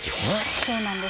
そうなんです。